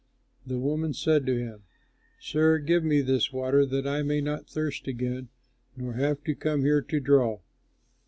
The woman said to him, "Sir, give me this water, that I may not thirst again nor have to come here to draw."